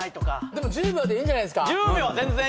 でも１０秒でいいんじゃないっすか。